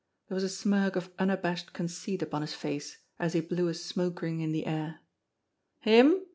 There was a smirk of unabashed conceit upon his face, as he blew a smoke ring in the air. "Him?